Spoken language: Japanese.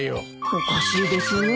おかしいですね。